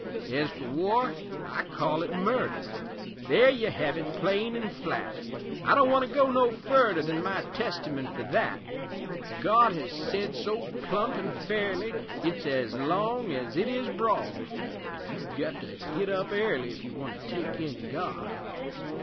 Ez fer war, I call it murder There you hev it plain an' flat; I don't want to go no furder Than my Testament fer that; God hez sed so plump an' fairly, It's ez long ez it is broad, An' you've gut to git up airly Ef you want to take in God.